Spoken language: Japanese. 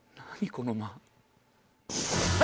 この間。え！